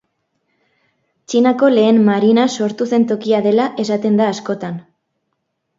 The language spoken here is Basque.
Txinako lehen marina sortu zen tokia dela esaten da askotan.